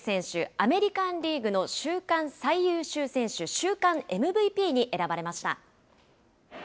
アメリカンリーグの週間最優秀選手、週間ＭＶＰに選ばれました。